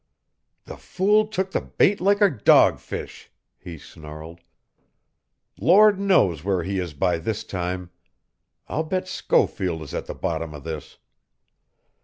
"The fool took the bait like a dogfish," he snarled. "Lord knows where he is by this time. I'll bet Schofield is at the bottom of this."